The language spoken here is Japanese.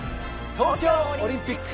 『東京オリンピック』。